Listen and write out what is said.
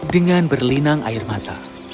dengan berlinang air mata